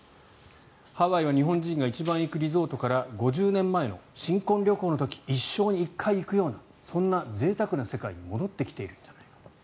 ハワイは日本人が一番行くリゾートから５０年前の新婚旅行の時一生に１回行くようなそんなぜいたくな世界に戻ってきているんじゃないか。